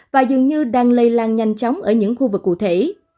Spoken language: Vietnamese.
và dường như đang lây lan nhanh chóng ở những khu vực cụ thể